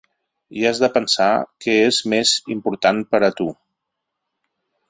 I has de pensar què és més important per a tu.